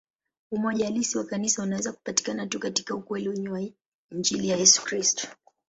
Umoja halisi wa Kanisa unaweza kupatikana tu katika ukweli wa Injili ya Yesu Kristo.